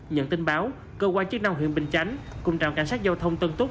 nhận tin báo cơ quan chức năng huyện bình chánh cùng trạm cảnh sát giao thông tân túc